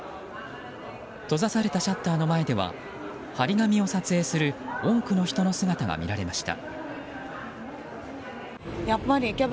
閉ざされたシャッターの前では貼り紙を撮影する多くの人の姿が見られました。